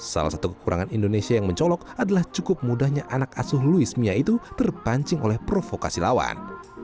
salah satu kekurangan indonesia yang mencolok adalah cukup mudahnya anak asuh luis mia itu terpancing oleh provokasi lawan